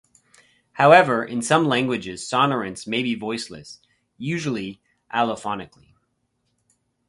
However, in some languages sonorants may be voiceless, usually allophonically.